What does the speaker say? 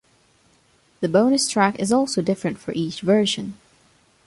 The bonus track is also different for each version.